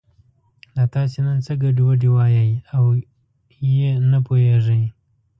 دا تاسې نن څه ګډې وډې وایئ او یې نه پوهېږي.